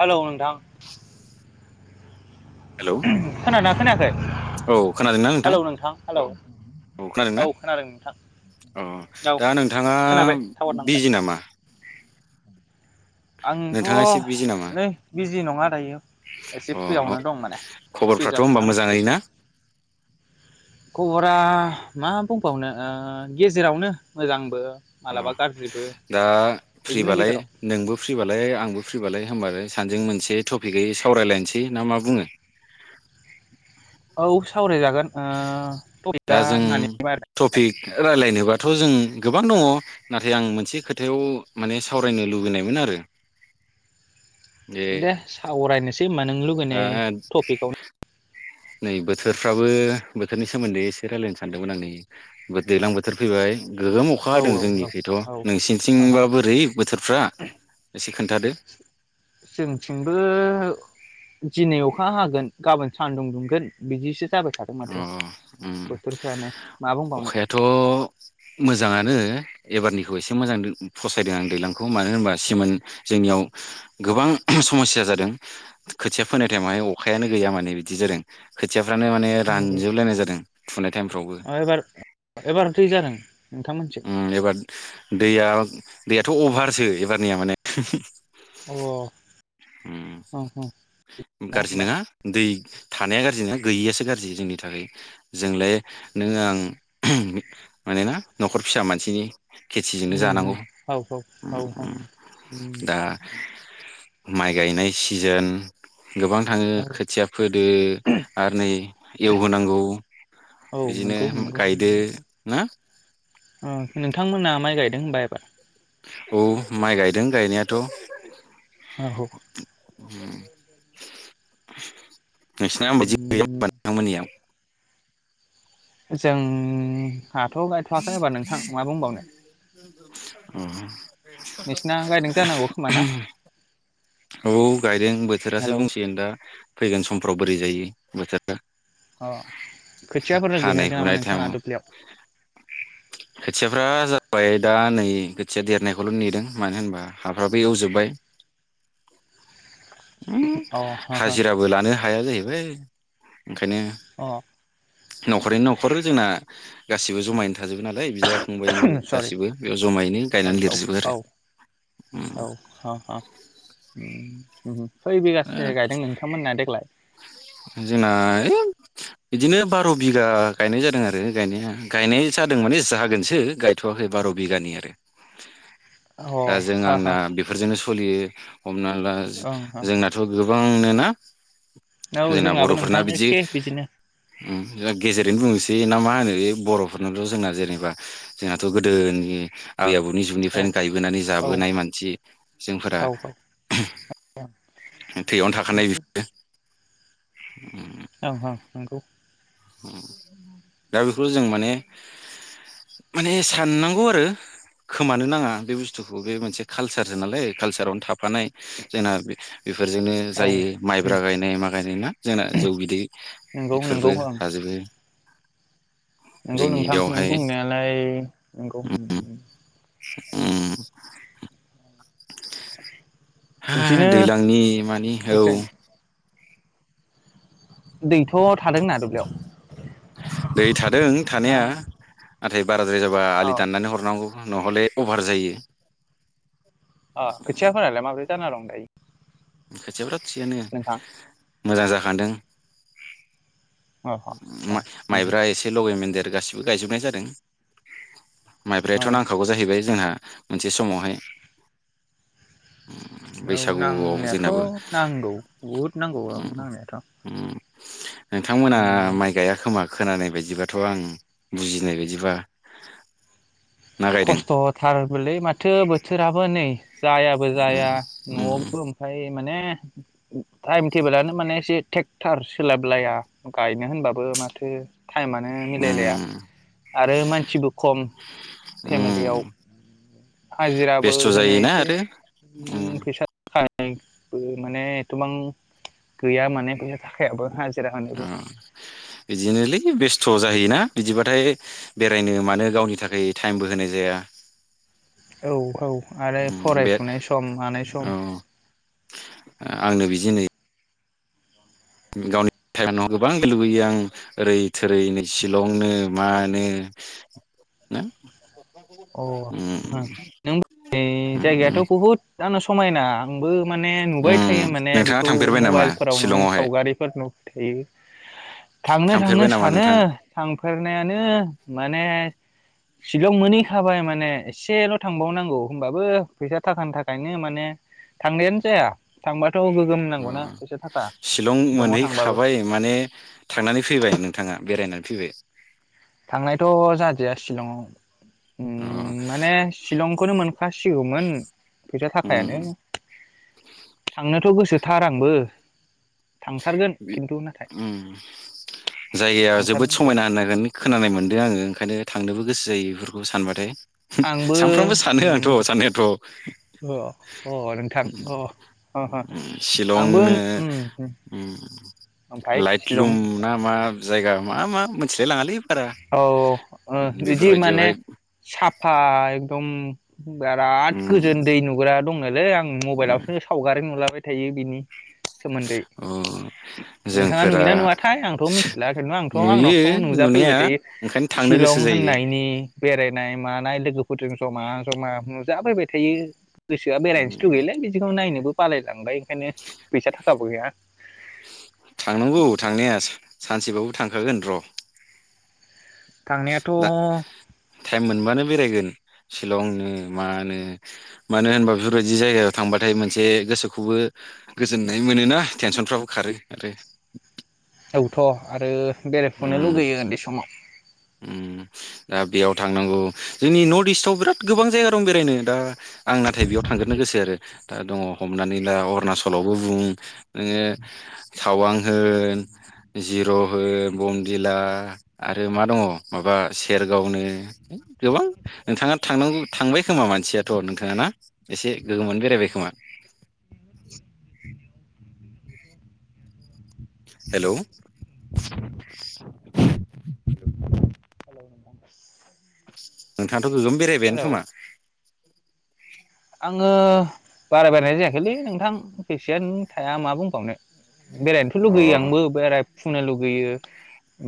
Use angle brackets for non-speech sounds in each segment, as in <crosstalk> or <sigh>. Hello नोंथां। Hello खोनादोंना खोनायाखै औ खोनादोंना नोंथां, हेलौ हेलौ औ खोनादोंना, खोनादों नोंथां औ औ दा नोंथाङा खोनाबाय टावार नांबाय बिजि नामा? आंथ' नोंथाङा एसे बिजि नामा नै बिजि नङा दायो एसे अ फ्रियावनो दं माने फ्रि खबरफ्राथ' होमबा जाथ'ना दं मोजाङै दसे। ना खबरा मा बुंबावनो गेजेरावनो मोजांबो अ मालाबा गाज्रिबो दा बिदिनो फ्रिबालाय गेजेराव नोंबो? फ्रिबालाय आंबो फ्रिबालाय होनबालाय सानैजों मोनसे टपिकै सावरायलायनोसै ना मा बुङो? औ सावराय जाग गोन ओ दा टपिका जों <unintelligible> थ' जों गोबां दङ नाथाय आं मोनसे खोथायाव माने सावरायनो लुबैनायमोन आरो। जे दे सावरायनोसै ओमबा नों लुुबैनाय दा टपिकआव नै बोथोरफ्राबो बोथोरनि सोमोन्दै एसे रायज्लायनो सानदोंमोन आं नै दैज्लां बोथोर फैबाय। गोगोम अखा औ हदों औ जोंनिखैथ' औ नोंसिनिथिंबा औ बोरै बोथोरफ्रा एसे खोन्थादो जोंथिंबो दिनै अखा हागोन गाबोन सानदुं दुंगोन बिदिसो जाबाय थादों अ माथो उम्म बोथोरफ्रानो मा बुंबावनो अखायाथ' मोजाङानो एबारनि एसे मोजां फसायदों आं दैलांखौ मानो होनबा सेमोन जोंनियाव गोबां समस्या जादों खोथिया फोनाय टाइमावहाय अखायानो गैया माने बिदि जादों खोथियाफ्रानो म रानजोबलायनाय जादों। अ एबार एबार दै जादों? खथाम मोनसै उम एबार दैया दैयाथ' अभारसो एबारनिया माने औ औ उम्म ना गाज्रि होमबा नङा दै थानाया गाज्रि ना गैयियासो गाज्रि जोंनि थाखाय जोंलाय नों आं मानोना न'खर फिसा मानसिनि खेथिजोंनो उम जानांगौ औ औ औ उम उम्म दा माइ गायनाय सिजोन गोबां थाङो औ खोथिया फोदो आरो नै एवहोनांगौ औ बिदिनो नंगौ नंगौ गायदो ना उम्म नोंथांमोना माइ गायदों होनबा एबार? औ माइ गायदों गायनायाथ'। औ उम्म नोंसिना आंबो जि मोननि उम आ नोंथांमोननिआव। जों आंहाथ' गायथ'वाखै एबा नोंथां मा बुंबावनो। नोंसिना गायदों जानांगौ खोमाना। औ गायदों बोथोरासो बुंसिगोन दा फैगोन समफ्राव बोरै जायो। बोथोरा। औ। खोथियाफोर <unintelligible> नामा हुनाय नोंथाङा टाइमाव दुब्लियाव। खोथियाफ्रा जाबाय दा नै खोथिया देरनायखौल' नेदों मानो होनबा हाफ्राबो एवजोब्बाय। उम अ हो हाजिराबो लानो हाया जाहैबाय। बै। ओंखायनो। हो अ न'खरैनो न'खर जोंना गासिबो जमायनो थाजोबो नालाय बिदा फंबायनि सरि गासिबो बेयाव जमायैनो औ गायनानै देरजोबो औ आरो उम। औ उम। खै बिगासो गायदों नोंथांमोनना देग्लाय? जोंना ए बिदिनो बार' बिगा गायनाय जादों आरो गायनाया गायनाय जादों माने जागोनसो गायथ'वाखै बार' बिगानि आरो। अ दा जों हा हा आंना बेफोरजोंनो सु सलियो। हमना ला ओं जोंनाथ' गोबां। आंनोना? औ जोंना जोंनाबो बर'फोरना नोंथां बिदि एखे बिदिनो उम गेजेरैनो बुंनोसै ना मा होनो। बे बर'फोरनोथ' जोंना जेनेबा जोंहाथ' गोदोनि। आबै आबौनि औ जुगनिफ्रायनो गायबोनानै औ जाबोनाय मानसि जोंफोरा औ थैयावनो ओं थाखानाय बि उम। ओं ओं नंगौ। उम दा बेखौ जों माने। माने साननांगौ आरो खोमानो नाङा बे बुस्थुखौ बे मोनसे कालसारसो नालाय कालसारावनो थाफानाय जोंना बे बेफोरजोंनो औ जायो माइब्रा गायनाय मा गायनाय ना जोंना जौ बिदै नंगौ नंगौ बेफोरबो। ओं बे। नंगौ नोंथां नों बुंनायालाय। नंगौ <unintelligible> उम। हा बिदिनो दैलांनि मानि औ। जों दैथ' थादोंना दुब्लियाव? दै थादों ना थानाया नाथाय बारा द्राय जाबा अ आलि दाननानै हरनांगौ। नहले अभार जायो। अ खोथिया फोनायालाय माब्रै जाना दंथाय <unintelligible> थिगानो मोजां जाखांदों अ अ मा-माइब्रा एसे लगैमोनदेर गासिबो गायजोबनाय जादों। अ माइब्रायाथ' नांखागौ जाहैबाय जोंहा मोनसे समावहाय औ बैसागुआव जोंनाबो नांनायाथ' नांगौ बहुद नांगौ उम नांनायाथ' थांमोना माइ गाइया खोमा खोनानाय बायदिबाथ' आं बुजिनाय बायदिबा ना गायदों खस्थ'थारबोलै माथो बोथोराबो नै जायाबो जाया न'आवबो ओमफ्राय माने टाइम टेबोलानो माने एसे ट्रेक्टार सोलाबलाया गायनो होनबाबो माथो टाइमानो मिलायलाया आरो मानसिबो खम। फेमिलियाव हाजिराबो बेस्थ' होनो जायोना एसे आरो उम फैसा बो माने एथबां गैया माने फैसा थाखायाबो होनोबो ओ बिदिनोलै बेस थ' जायोना? बिदिबाथाय बेरायनो मानो गावनि थाखाय टाइमबो होनाय जाया। औ औ आरो उम बे फरायफुनाय सम मानाय सम ओ आंनो बिदि नै गावनि <unintelligible> गोबां लुबैयो आं ओरै थोरै नै सिलंनो मानो नो अ हो नों जायगायाथ' उम बहुद आंनो समायना आंबो माने नुबाय उम थायो माने नोंथाङा बेखौ थांफेरबाय नामा मबाइलफोराव नुयो शिलंआवहाय सावगारिफोर नु थै थांनो थांनो थांफेरबाय नामा सानो नोंथाङा थांफेरनायानो माने सिगां मोननि थाबाय माने एसेल' थांबावनांगौ होमबाबो फैसा थाखानि थाखायनो माने थांनायानो जाया थांबा अ सिलं शिलंआव थांबाबो मोनहैखाबाय माने थांनानै फैबाय नोंथाङा बेरायनानै फैबाय थांनायथ' जादिया सिलंआव। अ ओम माने सिलंखौनो मोनफासिगौमोन फैसा उम थाखायानो थांनोथ' गोसो सोथार आंबो। थांथारगोन बि खिन्थु नाथाय ओम जायगाया जोबोद थांथारनांगौ समायना होनायगोन खोनानाय मोन आङो ओंखायनो थांनोबो गोसो जायो बेफोरखौ सानबाथाय आंबो सानफ्रामबो सानो आंथ' उम साननायाथ' अ अ नोंथां उम अ अ उम आंबो शिलंनो उम ओमफाय उम लाइटलुम शिलं ना मा जायगा मा मा मोनथिलाय लाङालै बारा औ ओ उम, बिदि माने बेफोरबायदियावहाय साफा एकदम बिराद उम गोजोन दै नुग्रा दंनोलै आं उम, मबाइलावसो सावगारि नुलाबाय थायो बिनि सोमोन्दै अ नोंथाङा जोंफोरा नुयोना नुवाथाय आंथ' मिथिला खिन्थु आंथ' नुयो आंनावथ' नुजाफैबाय नुनाया थायो। ओंखायनो थांनो शिलं गोसो जायो होननायनि बेराय नाय मानाय लोगोफोरजों जमा जमा नुजाफैबाय थायो। गोसोआ उम, बेरायनोसो लुगैयोलै बिदिखौनो नायनो बो बालायलांबाय ओंखायनो फैसा थाखाबो गैया। <unintelligible> थांनांगौ थांनाया सानसेबाबो थांखागोन र' थांनायाथ' दा टाइम मोनबानो बेरायगोन शिलंनो मानो मानो होनबा बेफोरबायदि जायगायाव थांबाथाय मोनसे गोसोखौबो गोजोननाय मोनोना टेनसनफ्राबो खारो आरो औथ' आरो बेरायफुनो उम लुगैयो उन्दै समाव उम दा बेयाव थांनांगौ जोंनि नर्थ इस्टआव बिराद गोबां जायगा दं बेरायनो दा आं नाथाय बेयाव थांग्रोननो गोसो आरो दा दङ हमनानै ला अरुणाचलावबो बुं नोङो टावां होन जिर' होन बमदिला आरो मा दङ माबा सेरगावनो गोबां नोंथाङा थांनांगौ थांबाय खोमा मानसियाथ' नोंथाङाना एसे गोगोमानो बेरायबाय खोमा हेलौ हेलौ नोंथा नोंथां गोगोम बेरायबायानो खोमा। आङो बारा बेरायनाय जायाखैलै नोंथां फैसायानो थाया मा बुंबावनो बेरायनोथ' लुगैयो आंबो बेराय फुंनो लुगैयो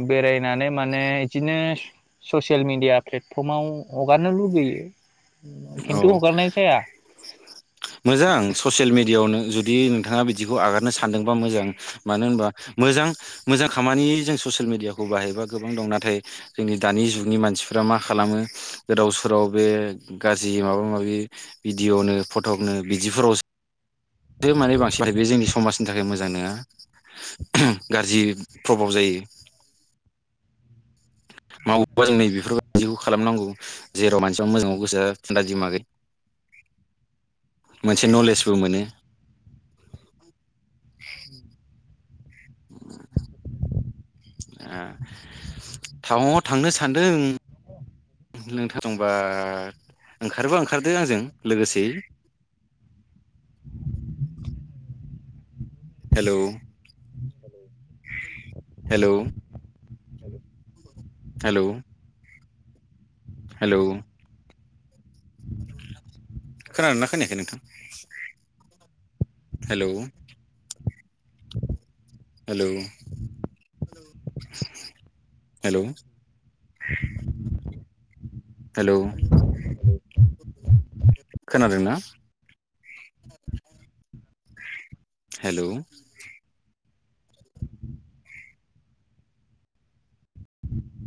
बेरायनानै माने इदिनो ससियेल मिडिया प्लेटफर्माव हगारनो लुगैयो। औ खिन्थु हगारनाय जाया मोजां ससियेल मिडि बेयावनो जुदि नोंथाङा बिदिखौ आगारनो सानदोंबा मोजां। मानो होनबा मोजां मोजां खामानि जों ससियेल मेडियाखौ बाहायबा गोबां दं नाथाय जोंनि दानि जुगनि मानसिफ्रा मा खालामो गोदाव सोराव बे गाज्रि माबा माबि भिडिअ'नो फटकनो बिदिफोरावसो बे माने बांसिन बाहायो बे जोंनि समाज नि थाखाय मोजां नङा गाज्रि प्रभाव जायो। मावोबा जों नै बेफोरबायदिखौ खालामनांगौ जेराव मानसिफ्रा मोजाङाव गोसोआ थान्दा दिमागै मोनसे नलेजबो मोनो। <inaudible> ओ टावांआव थांनो सान्दों। नोंथां दंबा ओंखारोबा ओंखारदो आंजों लोगोसेयै <inaudible> हेलौ हेलौ हेलौ हेलौ खोनादोंना खोनायाखै नोंथां? हेलौ हेलौ हेलौ हेलौ खोनादोंना? हेलौ